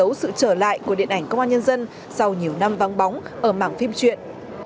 đánh dấu sự trở lại của điện ảnh công an nhân dân sau nhiều năm vắng bóng ở mảng phim truyện